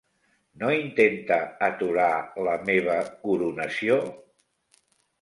No intenta aturar la meva coronació!?